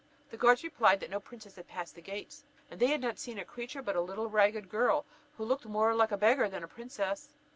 The guards replied, that no princess had passed the gates; and that they had not seen a creature but a little ragged girl, who looked more like a beggar than a princess.